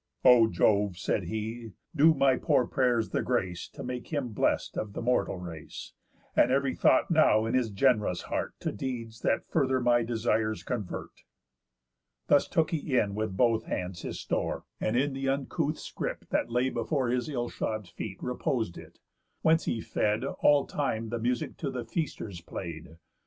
_ "O Jove," said he, "do my poor pray'rs the grace To make him blessed'st of the mortal race, And ev'ry thought now in his gen'rous heart To deeds that further my desires convert." Thus took he in with both his hands his store, And in the uncouth scrip, that lay before His ill shod feet, repos'd it; whence he fed All time the music to the feasters play'd.